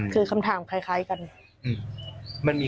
กี่คำถามที่เราโดนตอบไป